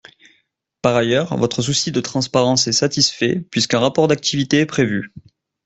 Par ailleurs, votre souci de transparence est satisfait, puisqu’un rapport d’activité est prévu.